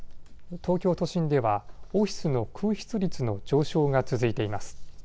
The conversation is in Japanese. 東京都心ではオフィスの空室率の上昇が続いています。